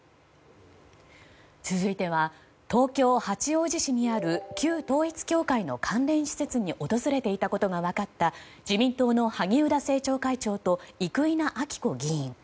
続いては東京・八王子市にある旧統一教会の関連施設に訪れていたことが分かった自民党の萩生田政調会長と生稲晃子議員。